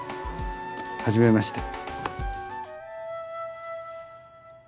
初めまして。